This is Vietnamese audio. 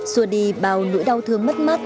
xua đi bao nỗi đau thương mất mắt